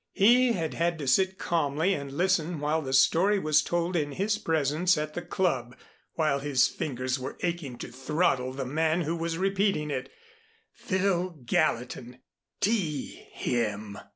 He had had to sit calmly and listen while the story was told in his presence at the club, while his fingers were aching to throttle the man who was repeating it. Phil Gallatin! D him!